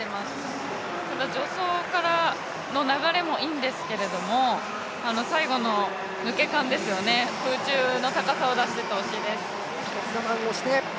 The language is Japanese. ただ助走の流れもいいんですけど、最後の抜け感ですよね、空中の高さを出していってほしいです。